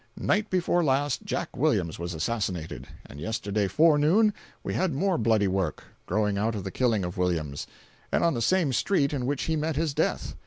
Night before last Jack Williams was assassinated, and yesterday forenoon we had more bloody work, growing out of the killing of Williams, and on the same street in which he met his death.